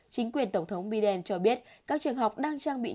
chính quyền tổng thống biden cho biết các trường học đang trang bị